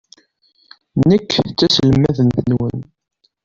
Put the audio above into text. Nekk d taselmadt-nwent.